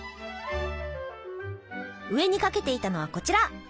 上にかけていたのはこちら！